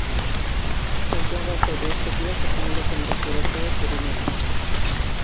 Santiago acolle estes días o Primeiro Congreso Europeo Purinérxico.